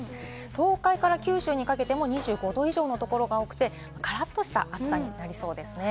東海から九州にかけても２５度以上のところが多くて、からっとした暑さになりそうですね。